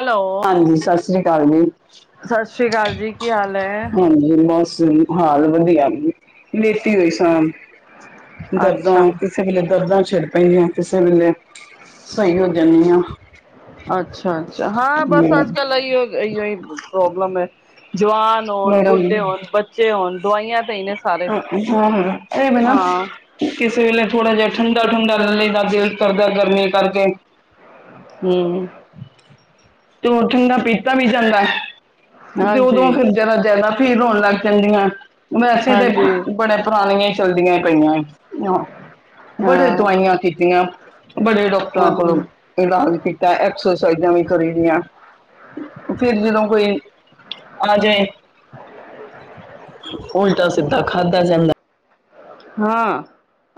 Hello ਹਾਂਜੀ ਸਤਿ ਸ੍ਰੀ ਅਕਾਲ ਜੀ, ਸਤਿ ਸ੍ਰੀ ਅਕਾਲ ਜੀ ਕੀ ਹਾਲ ਐ? ਹਾਂਜੀ ਬਸ ਹਾਲ ਵਧੀਆ ਲੇਟੀ ਹੋਈ ਸਾ, ਦਰਦਾਂ ਅੱਛਾ ਕਿਸੇ ਵੇਲੇ ਦਰਦਾਂ, ਛਿੜ ਪੈਂਦੇ ਆ ਕਿਸੇ ਵੇਲੇ ਸਹੀ ਹੋ ਜਾਂਦੀ ਐ। ਅੱਛਾ-ਅੱਛਾ ਹਾਂ ਬਸ ਅੱਜ ਕੱਲ ਇਹੀ ਪ੍ਰੋਬਲਮ ਹੈ। ਜਵਾਨ ਹੋਣ ਮੇਰਾ ਬੁੱਢੇ ਹੋਣ ਬੱਚੇ ਹੋਣ ਦਵਾਈਆਂ। ਤੇ ਹੀ ਨੇ ਸਾਰੇ ਹੂੰ-ਹੂੰ, ਇਹਵੇ ਨਾ ਹਾਂ ਕਿਸੇ ਵੇਲੇ ਥੋੜਾ ਜਿਹਾ। ਠੰਡਾ ਠੁੰਡਾ ਲਲੇ ਦਾ ਦਿਲ ਕਰਦਾ ਗਰਮੀ ਕਰਕੇ, ਹੂੰ, ਤੇ ਉਠਣ ਦਾ ਪੀਤਾ ਵੀ ਜਾਂਦਾ ਤੇ ਉਦੋਂ ਹਾਂਜੀ ਫਿਰ ਜੜ ਜ਼ਿਆਦਾ, ਫ ਰੋਣ ਲੱਗ ਜਾਂਦੀਆਂ ਵੈਸੇ ਤੇ ਹਾਂਜੀ ਬੜੇ ਪੁਰਾਣੀਆਂ, ਚਲਦੀਆਂ ਪਈਆਂ ਐ। ਬੜੇ ਹਾਂ ਦਵਾਈਆਂ ਕੀਤੀਆਂ ਬੜੇ ਡਾਕਟਰਾਂ ਕੋਲ ਹਾਂ ਇਲਾਜ ਕੀਤਾ ਐਕਸ ਵੀ ਕਰੀ ਦੀਆਂ ਫਿਰ ਜਦੋਂ ਕੋਈ ਆ ਜਾਏ। [inaudible] ਉਲਟਾ ਸਿੱਧਾ ਖਾਧਾ ਜਾਂਦਾ। ਹਾਂ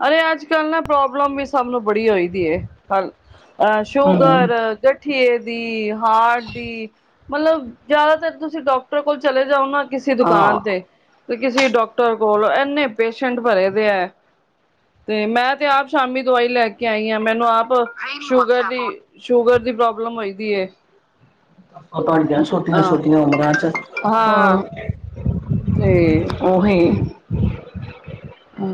ਅਰੇ ਅੱਜ ਕੱਲ ਨਾ ਪ੍ਰੋਬਲਮ ਵੀ ਸਭ ਨੂੰ ਬੜੀ ਹੋਈ ਦੀ ਹੈ। ਅਹ ਹਮ ਸ਼ੂਗਰ ਗਠੀਏ ਦੀ ਹਾਰਟ ਦੀ, ਮਤਲਬ ਜਿਆਦਾਤਰ ਤੁਸੀਂ ਡਾਕਟਰ ਕੋਲ ਚਲੇ ਜਾਓ ਨਾ ਕਿਸੇ ਹਾਂ ਦੁਕਾਨ ਤੇ, ਤੇ ਕਿਸੇ ਡਾਕਟਰ ਕੋਲ ਇਨੇ ਪੇਸ਼ੈਂਟ ਭਰੇ ਦੇ ਹੈ। ਤੇ ਮੈਂ ਤੇ ਆਪ ਸ਼ਾਮੀ ਦਵਾਈ ਲੈ ਕੇ ਆਈ ਆਾਂ ਮੈਨੂੰ ਆਪ ਸ਼ੂਗਰ ਦੀ ਸ਼ੂਗਰ, ਦੀ ਪ੍ਰੋਬਲਮ ਹੋਈ ਦੀ ਏ, ਉਹ ਤੁਹਾਡੀਆਂ ਹਾਂ ਛੋਟੀਆਂ-ਛੋਟੀਆਂ ਉਮਰਾਂ ਚ ਹਾਂ, ਤੇ, ਉਹੀ ਹੂੰ,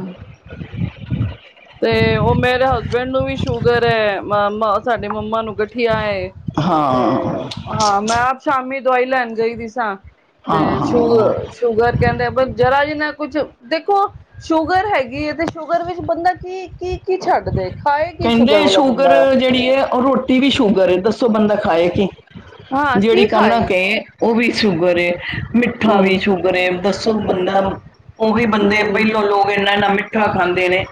ਤੇ ਉਹ ਮੇਰੇ ਹਸਬੈਂਡ ਨੂੰ ਵੀ ਸ਼ੂਗਰ ਹੈ ਸਾਡੇ ਮੰਮਾ ਨੂੰ ਗਠੀਆ, ਹਾਂ ਤੇ ਹਾਂ ਮੈਂ ਆਪ ਸ਼ਾਮੀ ਦਵਾਈ ਲੈਣ ਗਈ ਦੀ ਸਾਂ, ਹਾਂ ਤੇ ਸ਼ੂਗ ਹਾਂ ਸ਼ੂਗਰ ਕਹਿੰਦੇ ਪਰ ਜਰਾ ਜੀ, ਨਾ ਕੁਛ ਦੇਖੋ ਸ਼ੂਗਰ ਹੈਗੀ ਹੈ ਤੇ ਸ਼ੂਗਰ ਵਿੱਚ ਬੰਦਾ ਕੀ ਕੀ ਕੀ ਛੱਡਦਾ, ਕਹਿੰਦੇ ਸ਼ੂਗਰ ਜਿਹੜੀ ਹੈ ਉਹ ਰੋਟੀ ਵੀ ਸ਼ੂਗਰ ਹੈ ਦੱਸੋ? ਬੰਦਾ ਖਾਏ ਕਿ ਹਾਂ ਜਿਹੜੀ ਕੀ ਖਾਏ ਕਨਾਕ ਉਹ ਵੀ ਸ਼ੂਗਰ ਏ, ਮਿੱਠਾ ਵੀ ਹਮ ਸ਼ੂਗਰ ਹੈ ਦੱਸੋ ਬੰਦਾ, ਉਹੀ ਬੰਦੇ ਹਮ ਪਹਿਲੋਂ ਲੋਕ ਇੰਨਾ ਇੰਨਾ ਮਿੱਠਾ ਖਾਂਦੇ ਨੇ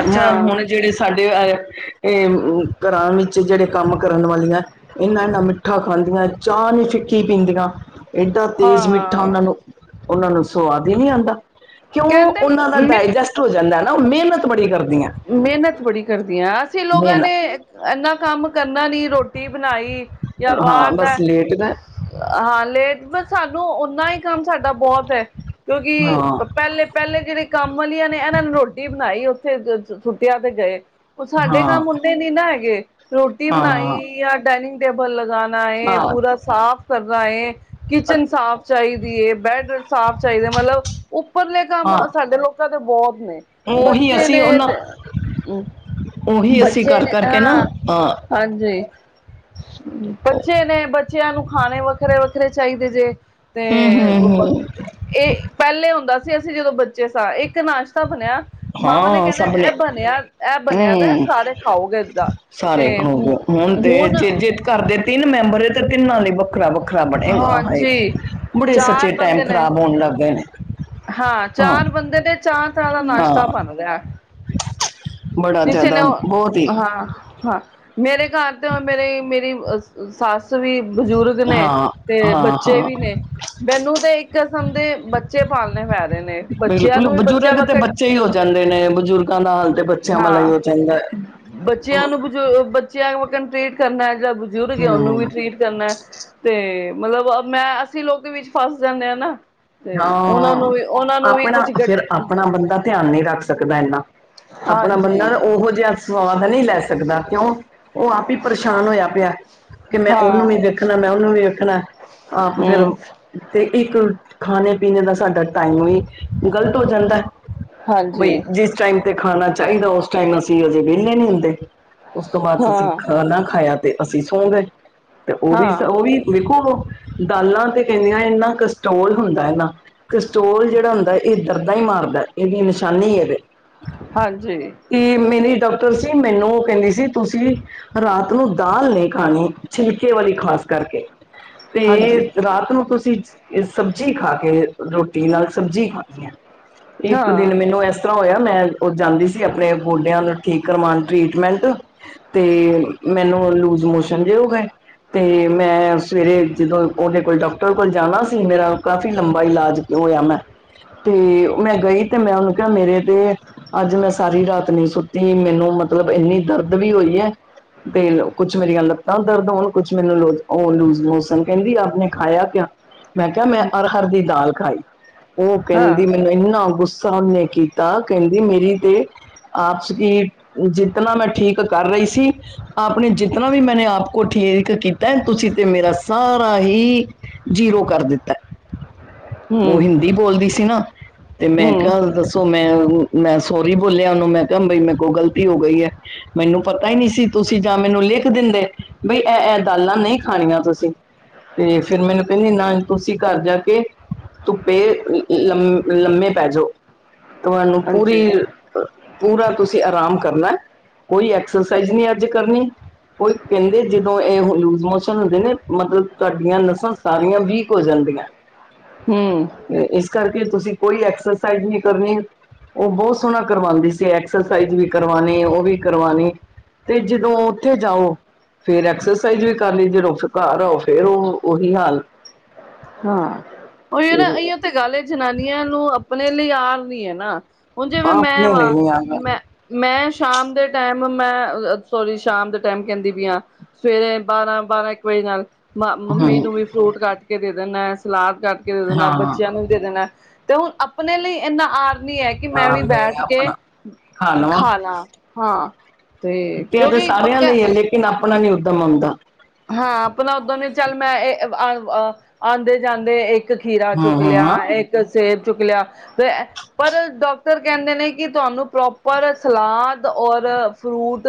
ਅੱਛਾ ਹਾਂ ਹੁਣ ਜਿਹੜੇ ਸਾਡੇ ਘਰਾਂ ਵਿੱਚ ਜਿਹੜੇ ਕੰਮ ਕਰਨ ਵਾਲੀਆਂ ਇਹਨਾਂ-ਇਹਨਾ ਮਿੱਠਾ ਖਾਂਦੀਆਂ। ਚਾਹ ਨੂੰ ਫਿੱਕੀ, ਪੀਂਦੀਆਂ ਏਡਾਂ ਤੇਜ਼ ਮਿੱਠਾ ਹਾਂ ਉਹਨਾਂ ਨੂੰ ਉਹਨਾਂ ਨੂੰ ਸਵਾਦ ਹੀ ਨਹੀਂ ਆਉਂਦਾ। ਕਿਉਂ ਕਹਿੰਦੇ ਉਹਨਾਂ ਦਾ ਮਿੱ ਡਾਇਜੈਸਟ ਹੋ ਜਾਂਦਾ ਨਾ ਉਹ ਮਿਹਨਤ ਬੜੀ ਕਰਦਾ। ਮਿਹਨਤ ਬੜੀ ਕਰਦੀ ਐ ਅਸੀਂ ਲੋਕਾਂ ਨੇ ਮਿਹਨਤ ਇਨਾ ਕੰਮ ਕਰਨਾ ਦੀ ਰੋਟੀ ਬਣਾਈ। ਜਾਂ ਹਾਂ ਬਾਹਰ ਦਾ ਬਸ ਲੇਟ ਦਾ ਹਾਂ ਲੇਟ, ਸਾਨੂੰ ਓਨਾ ਹੀ ਕੰਮ ਸਾਡਾ ਬਹੁਤ, ਕਿਉਂਕਿ ਹਾਂ ਪਹਿਲੇ ਪਹਿਲੇ ਜਿਹੜੇ ਕੰਮ ਵਾਲੀਆਂ ਨੇ ਇਹਨਾਂ ਨੇ ਰੋਟੀ ਬਣਾਈ ਉੱਥੇ ਸੁਟਿਆ ਤੇ ਜਾਏ ਉਹ ਸਾਡੇ ਹਾਂ ਕੰਮ ਹੁੰਦੇ ਨੀ ਨਾ ਹੈਗੇ ਰੋਟੀ ਹਾਂ ਬਣਾਈ ਜਾਂ ਡਾਇਨਿੰਗ, ਟੇਬਲ ਲਗਾ। ਹਾਂ ਪੂਰਾ ਸਾਫ਼ ਕਰਨਾ ਹੈ ਕਿਚਨ ਸਾਫ਼ ਚਾਹੀਦੀ ਹੈ ਬੈਡ ਸਾਫ਼ ਚਾਹੀਦਾ। ਮਤਲਬ ਉੱਪਰਲੇ ਕੰਮ ਹਾਂ ਸਾਡੇ ਲੋਕਾਂ ਦੇ ਬਹੁਤ ਨੇ ਉਹੀ ਬੱਚੇ ਅਸੀਂ ਨੇ, ਉਹਨਾਂ ਹੂੰ, ਉਹੀ ਅਸੀਂ ਬੱਚੇ ਕਰ ਨੇ ਕਰਕੇ ਨਾ ਹਾਂ ਹਾਂ ਹਾਂਜੀ, ਬੱਚੇ ਨੇ ਬੱਚਿਆਂ ਨੂੰ ਖਾਣੇ ਵੱਖਰੇ-ਵੱਖਰੇ ਚਾਹੀਦੇ ਜੇ ਤੇ ਹੂੰ ਹੂੰ ਹੂੰ ਇਹ ਪਹਿਲੇ ਹੁੰਦਾ ਸੀ ਅਸੀਂ ਜਦੋਂ ਬੱਚੇ ਸ ਇੱਕ ਨਾਸ਼, ਤਾ ਬਣਿਆ ਮਾਵਾਂ ਨੇ ਹਾਂ ਕਹਿਣਾ ਸਭ ਇਹ ਬਣਿਆ ਇਹ ਬਣਿਆ। [unintelligible] ਦਾ ਸਾਰੇ ਖਾਓਗੇ ਏਦਾਂ ਤਿੰਨ ਤੇ ਹੁ ਹੁਣ ਮੈਂਬਰ ਏ ਤੇ ਤਿੰਨਾਂ ਲਈ ਵੱਖਰਾ-ਵੱਖਰਾ, ਵੱਖਰਾ ਬਣੇਗਾ ਹਾਏ ਹਾਂਜੀ ਬੜੇ ਸੱਚੇ ਚਾਰ ਟਾਈਮ ਬੰਦੇ ਨੇ ਖ਼ਰਾਬ ਹੋਣ ਲੱਗ ਗਏ ਨੇ, ਹਾਂ ਚਾਰ ਬੰਦੇ ਨੇ ਚਾਰ ਤਰਾਂ ਦਾ ਨਾਸ਼ਤਾ ਹਾਂ ਬਣਦਾ। ਬੜਾ ਕਿਸੀ ਨੇ ਜ਼ਿਆਦਾ ਬਹੁਤ ਹੀ ਹਾਂ-ਹਾਂ, ਮੇਰੇ ਘਰ ਤੇ ਉਹ ਮੇਰੇ ਮੇਰੀ ਸੱਸ ਵੀ, ਬਜ਼ੁਰਗ ਨੇ ਹਾਂ ਤੇ ਹਾਂ ਬੱਚੇ ਹਾਂ ਵੀ ਨੇ, ਮੈਨੂੰ ਤੇ ਇੱਕ ਕਿਸਮ ਦੇ ਬੱਚੇ ਪਾਲਣੇੇ ਪੈ ਰਹੇ ਨੇ ਬੱਚਿਆਂ ਬਿਲਕੁਲ ਨੂੰ ਵੀ ਬੱਚਿਆਂ ਬਜ਼ੁਰਗ ਤੇ ਵਾਸਤੇ ਬੱਚੇ ਹੀ ਹੋ ਨੇ ਬਜ਼ੁਰਗਾਂ ਦਾ ਹਾਲ ਤੇ ਬੱਚੇ, ਹਾਂ ਬੱਚਿਆਂ ਨੂੰ [unintelligible] ਬੱਚਿਆਂ ਵਾਖਣ ਟ੍ਰੀਟ ਕਰਨਾ, ਜੇਹੜਾ ਬਜ਼ੁਰਗ ਏ ਉਹਨੂੰ ਵੀ ਹੂੰ ਟਰੀਟ ਕਰਨਾ ਤੇ, ਮਤਲਬ ਮੈਂ ਅਸੀਂ ਲੋਕ ਦੇ ਵਿੱਚ ਫਸ ਜਾਂਦੇ ਹਾਂ ਨਾ, ਤੇ ਉਹਨਾਂ ਹਾਂ ਨੂੰ ਵੀ ਉਹਨਾਂ ਨੂੰ ਵੀ ਆਪਣਾ ਕੁਛ [unintelligible] ਫਿਰ ਆਪਣਾ ਬੰਦਾ ਧਿਆਨ ਨਹੀਂ ਰੱਖ ਸਕਦਾ ਇੰਨਾ [unintelligible] ਆਪਣਾ ਬੰਦਾ ਨਾ ਉਹੋ ਜਿਹਾ ਸਵਾਦ ਨਹੀਂ ਲੈ ਸਕਦਾ ਕਿਉਂ ਉਹ ਆਪ ਹੀ ਪਰੇਸ਼ਾਨ ਹੋਯਾ ਪਯਾ। ਕਿ ਮੈਂ ਉਹਨੂੰ ਵੀ ਹਾਂ ਦੇਖਣਾ ਮੈਂ ਉਹਨੂੰ ਵੀ ਵੇਖਣਾ ਆਪ ਫੇਰ ਹਮ ਤੇ ਇੱਕ ਖਾਣੇ ਪੀਣੇ ਦਾ ਸਾਡਾ ਟਾਈਮ ਵੀ ਗ਼ਲਤ ਹੋ ਜਾਂਦਾ ਬਈ ਹਾਂਜੀ ਜਿਸ ਟਾਈਮ, ਤੇ ਖਾਣਾ ਚਾਹੀਦਾ ਉਸ ਟਾਈਮ ਅਸੀਂ ਹਜੇ ਵੇਹਲੇ ਨੀ ਹੁੰਦੇ ਉਸ ਤੋਂ ਬਾਅਦ ਅਸੀਂ ਹਾਂ ਖਾਨਾ ਖਾਯਾ। ਤੇ ਅਸੀਂ ਸੌਂ ਗਏ ਤੇ ਉਹ ਵੀ ਹਾਂ ਉਹ ਵੀ ਵੇਖੋ ਦਾਲਾਂ ਤੇ ਕਿੰਨੀਆਂ ਇੰਨਾ ਕ ਕ੍ਰਿਸਟੋਲ ਹੁੰਦਾ ਹੈ ਨਾ ਕ੍ਰਿਸਟੋਲ ਜਿਹੜਾ ਹੁੰਦਾ ਇਹ ਦਰਦਾਂ ਹੀ ਮਾਰਦਾ ਇਹਦੀ ਨਿਸ਼ਾਨੀ ਏ ਵੇ। ਹਾਂਜੀ, ਡਾਕਟਰ ਸੀ ।ਮੈਨੂੰ ਉਹ ਕਹਿੰਦੇ ਸੀ। ਤੁਸੀਂ, ਰਾਤ ਨੂੰ ਦਾਲ ਨਹੀਂ ਖਾਣੀ ।ਛਿਲਕੇ ਵਾਲੀ ਖਾਲੋ ਕਰਕੇ। ਤੇ, ਹਾਂਜੀ, ਰਾਤ ਨੂੰ ਤੁਸੀਂ ਇਹ ਸਬਜ਼ੀ ਖਾ ਕੇ, ਰੋਟੀ ਨਾਲ ਸਬਜ਼ੀ ਖਾਣੀ ਹੈ ।ਇੱਕ ਹਾਂ, ਦਿਨ ਮੈਨੂੰ ਏਸ ਹੋਇਆ ।ਮੈਂ, ਉਹ ਜਾਂਦੀ ਸੀ ਆਪਣੇ ਗੋਡਿਆਂ ਨੂੰ ਠੀਕ ਕਰਵਾਣ ।ਟ੍ਰੀਟਮੈਂਟ! ਤੇ! ਮੈਨੂੰ ਲੂਜ ਮੋਸ਼ਨ ਜਿ ਹੋ ਗਏ । ਤੇ ਮੈਂ ਸਵੇਰੇ ਜਦੋਂ ਉਹਦੇ ਕੋਲ ਡਾਕਟਰ ਕੋਲ ਜਾਣਾ ਤੇ ।ਮੇਰਾ ਕਾਫ਼ੀ ਲੰਬਾ ਇਲਾਜ ਹੋਇਆ ।ਮੈਂ! ਤੇ, ਮੈਂ ਗਈ ਤੇ ਮੈਂ ਉਹਨੂੰ ਕਿਹਾ! ਮੇਰੇ ਤੇ! ਅੱਜ ਮੈਂ ਸਾਰੀ ਰਾਤ ਨੀ ਸੁੱਤੀ। ਮੈਨੂੰ, ਮਤਲਬ ਇੰਨੀ ਦਰਦ ਵੀ ਹੋਈ ਹੈ। ਤੇ ਕੁੱਛ ਮੇਰੀਆਂ ਲੱਤਾਂ ਦਰਦ ਹੋਣ ।ਕੁਛ ਮੈਨੂੰ, ਉਹ ਲੂਜ ਮੋਸ਼ਨ। ਕਹਿੰਦੀ ਆਪ ਨੇ ਖਾਯਾ ਕਯਾ? ਮੈਂ ਕਿਹਾ! ਮੈਂ, ਅਰਹਰ ਦੀ ਦਾਲ ਖਾਈ। ਉਹ ਹਾਂ, ਕਹਿੰਦੀ। ਮੈਨੂੰ ਇੰਨਾ ਗੁੱਸਾ ਉਹਨੇ ਕੀਤਾ। ਕਹਿੰਦੀ, ਮੇਰੀ ਤੇ। [unintelligible] ਜਿਤਨਾ ਮੈਂ ਠੀਕ ਕਰ ਰਹੀ ਸੀ। [unintelligible] ਠੀਕ ਕੀਤਾ। ਤੁਸੀਂ ਤੇ ਮੇਰਾ ਸਾਰਾ ਹੀ ਜੀਰੋ ਕਰ ਦਿੱਤਾ। ਉਹ ਹੂੰ, ਹਿੰਦੀ ਬੋਲਦੀ ਸੀ ਨਾ। ਤੇ ਮੈਂ ਹੂੰ, ਕਿਹਾ! ਦੱਸੋ ਮੈਂ ਮੈਂ ਸੋਰੀ ਬੋਲਿਆ ਉਹਨੂੰ। ਮੈਂ ਕਿਹਾ! ਬਈ- ਮੇਰੇ ਕੋਲ ਗ਼ਲਤੀ ਹੋ ਗਈ ਹੈ ।ਮੈਨੂੰ ਪਤਾ ਹੀ ਨਹੀਂ ਸੀ ਤੁਸੀਂ ਜਾ ਮੈਂ ਲਿਖ ਦਿੰਦੇ ।ਬਈ ਇਹ ਇਹ ਦਾਲਾਂ ਨਹੀਂ ਖਾਣੀਆਂ ਤੁਸੀਂ। ਤੇ ਫਿਰ ਮੈਨੂੰ ਕਹਿੰਦੇ ਨਹੀਂ ਤੁਸੀਂ ਘਰ ਜਾ ਕੇ, ਧੁੱਪੇ! ਲੰ ਲੰਮੇ ਪੈ ਜਾਓ। ਤੁਹਾਨੂੰ ਪੂਰੀ ਹਾਂਜੀ, ਪੂਰਾ ਤੁਸੀਂ ਆਰਾਮ ਕਰਨਾ ।ਕੋਈ ਐਕਸਰਸਾਈਜ਼ ਨਹੀਂੀ ਅੱਜ ਕਰਨੀ। ਕੋਈ ਕਹਿੰਦੇ! ਜਦੋਂ ਇਹ ਲੂਜ ਮੋਸ਼ਨ ਹੁੰਦੇ ਨੇ। ਮਤਲਬ ਤੁਹਾਡੀਆਂ ਨਸਾਂ ਸਾਰੀਆਂ ਵੀਕ ਹੋ ਜਾਂਦੀਆਂ। ਹਮ! ਇਸ ਕਰਕੇ ਤੁਸੀਂ ਕੋਈ ਐਕਸਰਸਾਈਜ਼ ਨਹੀਂ ਕਰਨੀ। ਉਹ ਬਹੁਤ ਸੋਹਣਾ ਕਰਵਾਂਦੀ ਸੀ। ਐਕਸਰਸਾਈਜ਼ ਵੀ ਕਰਵਾਣੀ । ਉਹ ਵੀ ਕਰਵਾਣੀ। ਤੇ ਜਦੋਂ ਉੱਥੇ ਜਾਓ ਫੇਰ ਐਕਸਰਸਾਈਜ਼ ਵੀ ਕਰ ਲਈ ।ਜਦੋਂ ਫੇਰ ਘਰ ਆਓ ਫੇਰ ਓ ਉਹੀ ਹਾਲ। ਹਾਂ! ਉਹੀ ਨਾ ਫਿਰ । ਇਹੋ ਤੇ ਗੱਲ ਏ । ਜਨਾਨੀਆਂ ਨੂੰ ਆਪਣੇ ਲਈ ਆਰ ਨਹੀਂ ਹੈ ਨਾ । ਹੁਣ ਜਿਵੇਂ ਮੈਂ ਆਪਣੇ ਵਾ ਲਈ ਨੀ ਆ ।ਮੈਂ, ਮੈਂ ਸ਼ਾਮ ਦੇ ਟਾਈਮ ਮੈਂ, ਸੋਰੀ? ਸ਼ਾਮ ਦੇ ਟਾਈਮ ਕਹਿੰਦੀ ਪਈ ਆ । ਸਵੇਰੇ ਬਾਰਾਂ, ਬਾਰਾਂ, ਇੱਕ ਵਜੇ ਨਾਲ ਮ ਮੰਮੀ ਹਮ ਨੂੰ ਵੀ ਫਰੂਟ ਕੱਟ ਕੇ ਦੇ ਦੇਣਾ। ਸਲਾਦ ਕੱਟ ਕੇ ਦੇ ਦੇਣਾ। ਹਾਂ ਬੱਚਿਆਂ ਨੂੰ ਵੀ ਦੇ ਦੇਣਾ। ਤੇ ਹੁਣ ਆਪਣੇ ਲਈ ਇੰਨਾ ਆਰ ਨਹੀਂ ਹੈ ।ਕਿ ਮੈਂ ਵੀ ਆਪ ਨਹੀਂ ਬੈਠ ਕੇ ਆਪਣਾ ਖਾ ਲਾ। ਹਾਂ! ਕੁੁੱਟਿਆਂ ਤੇ ਕਿਉਂਕਿ ਸਾਰਿਆਂ ਪੱਕਾ ਲਈ ਹੈ ।ਲੇਕਿਨ ਆਪਣਾ ਨੀ ਉੱਦਮ ਆਉਂਦਾ। ਹਾਂ ਆਪਤਾ ਉਦਾਂ ਹੀ ਹੈ। ਚੱਲ ਮੈਂ ਆਉਂਦੇ ਜਾਂਦੇ ਇੱਕ ਇੱਕ ਖੀਰਾ ਚੁੱਕ ਹਮ ਲਿਆ। ਹਮ ਇੱਕ ਸੇਬ ਚੁੱਕ ਲਿਆ ।ਤੇ ਪਰ ਡਾਕਟਰ ਕਹਿੰਦੇ ਨੇ ਕਿ ਤੁਹਾਨੂੰ ਪ੍ਰੋਪਰ ਸਲਾਦ ਔਰ ਫਰੂਟ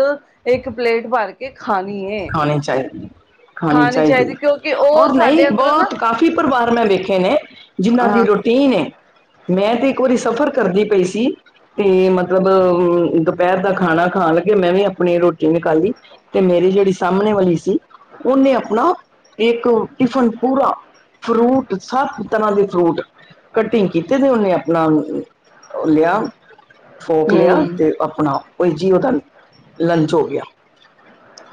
ਇੱਕ ਪਲੇਟ ਭਰ ਕੇ ਖਾਣੀ ਏ ਖਾਣੀ ਚਾਹੀਦੀ। ਖਾਣੀ ਚਾਹੀਦੀ ਕਿਉਂਕਿ ਹੈ। ਉਹ ਔਰ ਨਹੀਂ! ਸਾਡੇ ਅੰਦਰੋਂ ਬਹੁਤ, ਨਾ ਕਾਫ਼ੀ ਪਰਿਵਾਰ ਮੈਂ ਵੇਖੇ ਨੇ! ਜਿਹਨਾਂ ਦੀ ਹਾਂ ਰੋਟੀ ਟੀਨ ਹੈ। ਮੈਂ ਤੇ ਇੱਕ ਵਾਰੀ ਸਫ਼ਰ ਕਰਦੀ ਪਈ ਸੀ ।ਤੇ ਮਤਲਬ ਅ ਦੁਪਹਿਰ ਦਾ ਖਾਣਾ ਖਾਣ ਲੱ ਕਿ ਮੈਂ ਵੀ ਆਪਣੀ ਰੋਟੀ ਨਿਕਾਲੀ। ਤੇ ਮੇਰੀ ਜਿਹੜੀ ਸਾਹਮਣੇ ਵਾਲੀ ਸੀ ।ਉਹਨੇ ਆਪਣਾ ਇੱਕ ਟਿਫਨ ਪੂਰਾ ਫਰੂਟ ਸਭ ਤਰ੍ਹਾਂ ਦੇ ਫਰੂਟ ਕਟਿੰਗ ਕੀਤੇ ।ਤੇ ਉਹਨੇ ਆਪਣਾ ਯ- [unintelligible] ਫੋਕ ਲਿਆ ਹਮ ।ਤੇ ਆਪਣਾ ਓਹੀ ਜੀ ਓਧਾ ਲੰਚ ਹੋ ਗਿਆ।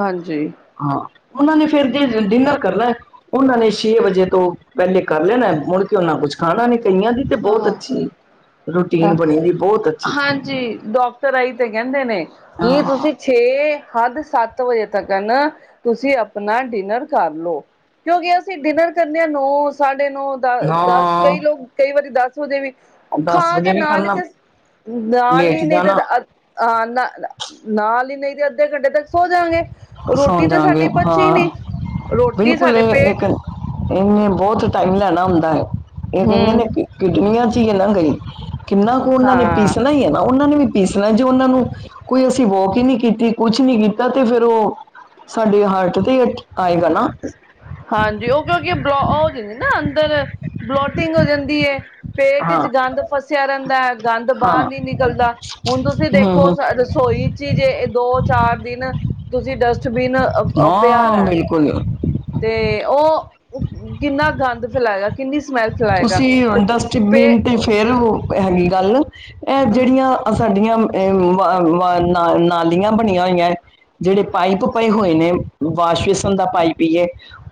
ਹਾਂਜੀ! ਹਾ ਉਹਣਾ ਨੇ ਫਿਰ ਡੀਨਰ ਕਰਣੇ। ਉਹਨਾਂ ਨੇ ਛੇ ਵਜੇ ਤੋਂ ਪਹਿਲੇ ਕਰ ਲੈਣਾ ।ਮੁੜ ਕੇ ਉਹਨਾ ਕੁੱਛ ਖਾਣਾ ਨੀ। ਕਈਆਂ ਤੇ ਬਹੁਤ ਹਾਂ ਅੱਛੀ ਰੂਟੀਨ ਬਣੀ ਦੀ। ਬਹੁਤ ਅੱਛੀ ਹਾਂਜੀ ਡਾਕਟਰ ਆਈ ਤੇ ਕਹਿੰਦੇ ਨੇ ਕੀ ਹਾਂ ਤੁਸੀਂ ਛੇ ਹੱਦ ਸੱਤ ਵਜੇ ਤੱਕ ਤੁਸੀਂ ਆਪਣਾ ਡਿਨਰ ਕਰ ਲਓ ਕਿਉਂਕਿ ਅਸੀਂ ਡਿਨਰ ਕਰਨੇ ਆਂ ਨੌ ਸਾਡੇ ਨੌ ਦੱਸ ਹਾਂ ਕਈ ਲੋਕ ਕਈ ਵਾਰੀ ਦੱਸ ਵਜੇ ਵੀ ਉਹ ਦਸ ਖਾ ਕੇ ਵਜੇ ਵੀ ਨਾਲ ਹੀ ਕਰਨਾ ਤੇ ਨਾਲ ਲੇਟ ਨੀ ਤਾਂ ਜਾਣਾ ਅਹ ਨਾ ਨਾਲ ਨ ਅੱਧੇ ਘੰਟੇ ਤੱਕ ਸੋ ਜਾਂਗੇ ਸੌ ਰੋਟੀ ਤਾਂ ਸਾਡੀ ਜਾਗੇ ਪਚੀ ਹਾਂ ਨੀ ਰੋਟੀ ਬਿਲਕੁਲ ਸਾਡੇ ਇਹ ਪੇਟ ਇੱਕ ਇਹਨੇ ਬਹੁਤ ਟਾਈਮ ਲੈਣਾ ਹੁੰਦਾ ਹੈ। ਇਹ ਕਹਿੰਦੇ ਨੇ ਹਮ ਕਿਡਨੀਆਂ ਚ ਹੀ ਇਹ ਨਾ ਗਏ। ਕਿੰਨਾ ਕੁ ਉਹਨਾਂ ਨੇ ਹਾਂ ਪੀਸਣਾ ਹੀ ਹੈ ।ਨਾ ਉਹਨਾਂ ਨੇ ਵੀ ਪੀਸਣਾ ਜੇ ਉਹਨਾਂ ਨੂੰ ਕੋਈ ਅਸੀਂ ਵੋਕ ਹੀ ਨੀ ਕੀਤੀ ਕੁਛ ਨੀ ਕੀਤਾ ਤੇ ਫਿਰ ਉਹ ਸਾਡੇ ਹਾਰਟ ਤੇ ਆਏਗਾ ਨਾ। ਹਾਂਜੀ ਉਹ ਕਿਉਂਕਿ ਬਲੋ ਹੋ ਜਾਂਦੀ ਨਾ ਅੰਦਰ ਬਲੋਟਿੰਗ ਹੋ ਜਾਂਦੀ ਹੈ। ਪੇਟ ਹਾਂ ਚ ਗੰਦ ਫਸਿਆ ਰਹਿੰਦਾ ਹੈ। ਗੰਦ ਬਾਹਰ ਹਾਂ ਨੀ ਨਿਕਲਦਾ ਹੁਣ ਤੁਸੀਂ ਹੂੰ ਦੇਖੋ ਹੂੰ ਰਸੋਈ ਚ ਹੀ ਜੇ ਦੋ ਚਾਰ ਦਿਨ ਤੁਸੀਂ ਡਸਟਬਿਨ ਅ ਪਿਆ ਹਾਂ ਦਾ ਬਿਲਕੁਲ ਤੇ ਉਹ ਕਿੰਨਾ ਗੰਦ ਫੈਲਾਇਆ। ਤੁਂਸੀ ਪੇ ਡਸਟਬੀਨ ਤੇ ਫੇਰ ਹੈਗੀ ਗੱਲ ਇਹ ਜਿਹੜੀਆਂ ਸਾਡੀਆਂ ਨਾਲੀਆਂ ਬਣੀਆਂ ਹੋਈਆਂ ਜਿਹੜੇ ਪਾਈਪ ਪਏ ਹੋਏ ਨੇ ਵਾਸ਼ਵੇਸ਼ਣ ਦਾ ਪਾਈਪ ਪੀਏ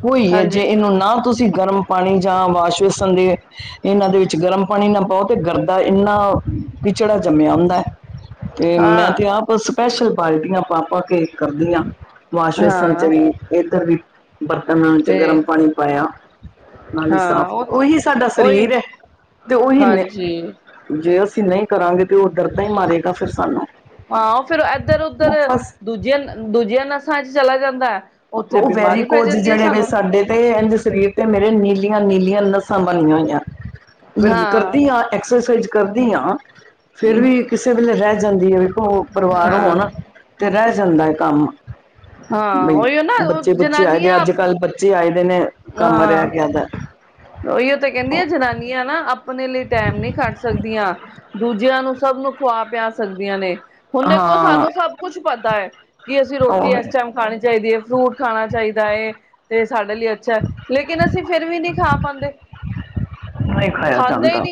ਹੋਈ ਹੈ ਜੇ ਹਾਂਜੀ ਇਹਨੂੰ ਨਾ ਤੁਸੀਂ ਗਰਮ ਪਾਣੀ ਜਾਂ ਵਾਸ਼ ਦੇ ਇਹਨਾਂ ਦੇ ਵਿੱਚ ਗਰਮ ਪਾਣੀ ਨਾ ਪਾਓ ਤੇ ਗਰਦਾ ਇੰਨਾ ਕਿੱਚੜਾ ਜੰਮਿਆ ਹੁੰਦਾ ਹੈ। ਤੇ ਮੈਂ ਹਾਂ ਤੇ ਆਪ ਸਪੈਸ਼ਲ ਬਾਲਟੀਆਂ ਪਾ ਪਾ ਕੇ ਕਰਦੀਆਂ ਵਾਸ਼ ਵੇਸ਼ਨ ਚ ਹਾਂ ਵੀ ਇੱਧਰ ਵੀ ਬਰਤਨਾਂ ਚ ਤੇ ਗਰਮ ਪਾਣੀ ਪਾਇਆ ਨਾਲ ਹੀ ਹਾਂ ਸਾਫ਼ ਉਹ ਉਹੀ ਸਾਡਾ ਉਹੀ ਸਰੀਰ ਹੈ ਤੇ ਉਹੀ ਨੇ, ਹਾਂਜੀ ਜੇ ਅਸੀਂ ਨਹੀਂ ਕਰਾਂਗੇ ਪਿਓ ਡਰਦਾ ਹੀ ਮਾਰੇਗਾ ਫਿਰ ਸਾਨੂੰ। ਹਾਂ ਫਿਰ ਇੱਧਰ ਉੱਧਰ ਉਹ ਫਸ ਦੂਜੀਆਂ ਦੂਜੀਆਂ ਨਸਾਂ ਚ ਚਲਾ ਜਾਂਦਾ ਹੈ। ਉੱਥੇ ਉਹ ਬਿਮਾਰੀ ਪੈ ਵੈਰੀਕੋਜ ਜਾਂਦੀ ਹੈ ਜਿਹੜੇ ਵ ਸਾਨੂੰ ਸਾਡੇ ਤੇ ਸਰੀਰ ਤੇ ਮੇਰੇ ਨੀਲ ਨੀਲੀਆਂ ਨੱਸਾਂ ਬਣੀਆਂ ਹੋਈਆਂ ਫਿਰ ਕਰਦੀ ਹਾਂ ਐਕਸਰਸਾਈਜ਼ ਕਰਦੀ ਹਾਂ। ਫਿਰ ਵੀ ਕਿਸੇ ਵੇਲੇ ਰਹਿ ਜਾਂਦੀ ਹੈ ਵੇਖੋ ਉਹ ਪਰਿਵਾਰ ਹੋਣ ਤੇ ਰਹਿ ਜਾਂਦਾ ਹੈ ਕੰਮ ਹਾਂ ਬਈ ਉਹੀ ਬੱਚੇ ਬੁੱਚੇ ਆਏ ਦੇ ਅੱਜ ਕੱਲ੍ਹ ਬੱਚੇ ਆਏ ਦੇ ਨੇ ਕੰਮ ਹਾਂ ਰਹਿ ਗਿਆ ਦਾ ਉਹੀਓ ਤਾਂ ਕਹਿੰਦੀ ਆ ਜਨਾਨੀਆਂ ਨਾ ਆਪਣੇ ਲਈ ਟਾਈਮ ਨਹੀਂ ਖੱਟ ਸਕਦੀਆਂ ਦੂਜਿਆਂ ਨੂੰ ਸਭ ਨੂੰ ਖੁਆ ਪਿਆ ਸਕਦੀਆਂ ਨੇ। ਹੁਣ ਦੇਖੋ ਹਾਂ ਸਾਨੂੰ ਸਭ ਕੁਛ ਪਤਾ ਹੈ ਕਿ ਅਸੀਂ ਰੋਟੀ ਉਹ ਇਸ ਟਾਈਮ ਖਾਣੀ ਚਾਹੀਦੀ ਹੈ, ਫਰੂਟ ਖਾਣਾ ਚਾਹੀਦਾ। ਦਾ ਤੇ ਸਾਡੇ ਲਈ ਅੱਛਾ ਹੈ ਲੇਕਿਨ ਅਸੀਂ ਫਿਰ ਵੀ ਨਹੀਂ ਖਾ ਪਾਉਦੇ। ਨਹੀਂ ਖਾਇਆ ਜਾਂਦਾ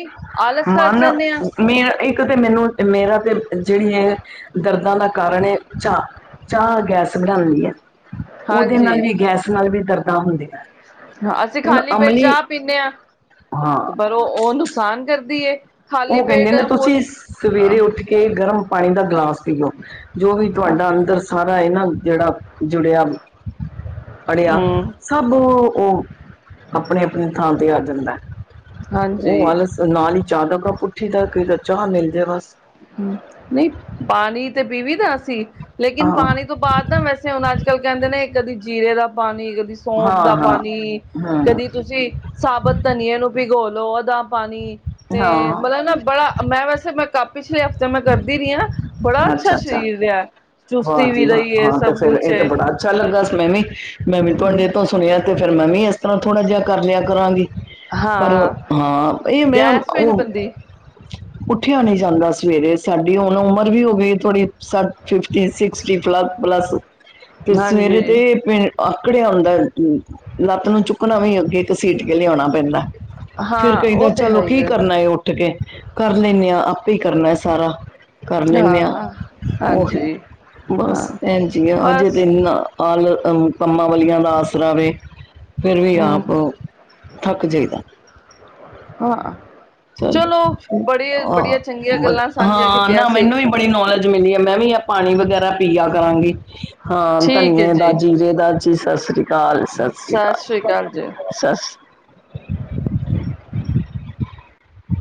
ਆਲਸ ਕਰ ਮਨ ਜਾਂਦੇ ਹਾਂ ਇੱਕ ਤਾਂ ਮੈਨੂੰ ਮੇਰਾ ਤੇ ਜਿਹੜੀ ਹੈ ਦਰਦਾਂ ਦਾ ਕਾਰਨ ਹੈ ਚਾ ਚਾਹ ਗੈਸ ਬਣਾਉਂਦੀ ਹੈ ਉਹਦੇ ਨਾਲ ਹਾਂਜੀ ਵੀ ਗੈਸ ਨਾਲ ਵੀ ਦਰਦਾਂ ਹੁੰਦੀਆਂ। ਅਸੀਂ ਹੁਣ ਖਾਲੀ ਪੇਟ ਅਮਲੀ ਚਾਹ ਪੀਦੇ ਹਾਂ ਹਾਂ ਤੇ ਪਰ ਉਹ ਉਹ ਨੁਕਸਾਨ ਕਰਦੀ। ਖਾਲੀ ਉਹ ਕਹਿੰਦੇ ਪੇਟ ਨੇ ਤੁਸੀਂ ਹੁਣ ਸਵੇਰੇ ਉੱਠ ਕੇ ਗਰਮ ਪਾਣੀ ਦਾ ਗਲਾਸ ਪੀਓ ਜੋ ਵੀ ਤੁਹਾਡਾ ਅੰਦਰ ਸਾਰਾ ਇਹ ਨਾ ਜਿਹੜਾ ਜੁੜਿਆ ਪੜ੍ਹਿਆ ਹਮ ਸਭ ਉਹ ਆਪਣੀ ਆਪਣੀ ਥਾਂ ਤੇ ਆ ਜਾਂਦਾ ਹੈ। ਉਹ ਹਾਂਜੀ ਆਲਸ ਨਾਲ ਹੀ ਚਾਹ ਦਾ ਪੁੱਠੀ ਦਾ ਕਿਸ ਦਾ ਚਾਹ ਮਿਲਦੇ ਬਸ। ਨਹੀਂ ਪਾਣੀ ਤੇ ਪੀਵੀ ਨਾ ਅਸੀਂ ਲੇਕਿਨ ਹਾਂ ਪਾਣੀ ਤੋਂ ਬਾਅਦ ਦਾ ਵੈਸੇ ਹੁਣ ਅੱਜ ਕ ਨਾਲ ਕਹਿੰਦੇ ਨੇ ਕਦੇ ਜੀਰੇ ਦਾ ਪਾਣੀ ਕ ਸੌਂਫ ਹਾਂ ਦਾ ਹਾਂ ਪਾਣੀ ਹਾਂ ਕਦੀ ਤੁਸੀਂ ਸਾਬਤ ਧਨੀਏ ਨੂੰ ਭਿਗੋ ਲੋਂਗ ਦਾ ਪਾਣੀ ਤੇ ਹਾਂ ਮਤਲਬ ਨਾ ਬੜਾ ਮੈਂ ਵੈਸੇ ਮੈਂ ਪਿਛਲੇ ਹ ਤਾਂ, ਮੈਂ ਕਰਦੀ ਰਹੀ ਹਾਂ। ਬੜਾ ਅੱਛਾ ਸਰੀਰ ਰਿਹਾ। ਚੁਸਤੀ ਵਾਹ ਜੀ ਵੀ ਵਾਹ ਰਹੀਏ, ਹਾਂ ਤੇ ਸਭ ਫਿਰ ਕੁਛ ਇਹ ਤਾਂ ਏ। ਬੜਾ ਅੱਛਾ ਲੱਗਾ ਸੀ। ਮੈਂ ਵੀ, ਮੈਂ ਵੀ ਤੁਹਾਡੇ ਤੋਂ ਸੁਣਿਆ 'ਤੇ ਫੇਿਰ ਮੈਂ ਵੀ ਇਸ ਤਰ੍ਹਾਂ ਥੋੜਾ ਜਿਹਾ ਕਰ ਲਿਆ ਕਰਾਂਗੀ। ਪਰ ਹਾਂ ਹਾਂ। ਇਹ ਮੈਂ ਗੈਸ ਵੀ ਨੀ ਉਹ ਬਣਦੀ ਉੱਠਿਆ ਨਹੀਂ ਜਾਂਦਾ। ਸਵੇਰੇ ਸਾਡੀ ਹੁਣ ਉਮਰ ਉਹ ਵੀ ਹੋ ਗਈ। ਥੋੜੀ ਸਠ, ਫਿਫਟੀ, ਸੀਸਟੀ ਪਲੱਸ, ਪਲੱਸ ਤੇ ਹਾਂਜੀ ਸਵੇਰੇ 'ਤੇ ਪੇਟ ਆਕੜਿਆ ਹੁੰਂਦਾ। ਲੱਤ ਨੂੰ ਚੁੱਕਣਾ ਵੀ ਅੱਗੇ- ਕਸੀਟ ਕੇ ਲਿਆਉਣਾ ਪੈਂਦਾ। ਫਿਰ ਹਾਂ ਕਹਿੰਦਾ ਉਹ ਤੇ ਚਲੋ। ਹੈ ਹੀ ਕੀ ਹੈ ਕਰਨਾ ਉੱਠ ਕੇ ਕਰ ਲੈਂਦੇ ਆਂ। ਆਪੇ ਹੀ ਕਰਨਾ ਸਾਰਾ। ਕਰ ਲੈਣੇ ਆਂ। ਹਾਂ ਉਹ ਹੀ ਹਾਂਜੀ ਬਸ ਹਾਂ ਭੈਣ ਜੀ। ਹਜੇ ਬਸ ਤੇ ਨਾ ਆ ਕੰਮਾਂਵਾਲੀਆਂ ਦਾ ਆਸਰਾ ਵੇ। ਫਿਰ ਵੀ ਹਮ ਆਪ ਥੱਕ ਜਾਈਦਾ। ਹਾਂ ਚਲੋ ਚੋਹ ਬੜੀ ਬੜੀਆਂ ਚੰਗੀਆਂ ਗੱਲਾਂ ਸਾਂਝੀਆਂ ਹਾਂ ਕੀਤੀਆਂ ਨਾ [unintelligible] ਸੀ ਮੈਨੂੰ ਵੀ ਬੜੀ ਨੌਲੇਜ ਮਿਲੀ ਹੈ। ਮੈਂ ਵੀ ਆ ਪਾਣੀ ਵਗੈਰਾ ਪੀਆ ਕਰਾਂਗੀ। ਹਾਂ। ਠੀਕ ਹੈ ਧਨੀਏ ਦਾ ਜੀ ਜੀਰੇ ਦਾ ਜਿਸ ਆਸੇ। ਸਤਿ ਸ਼੍ਰੀ ਅਕਾਲ। ਸਤਿ ਸ਼੍ਰੀ ਅਕਾਲ। ਸਤਿ [inaudible]